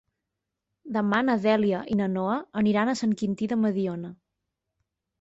Demà na Dèlia i na Noa aniran a Sant Quintí de Mediona.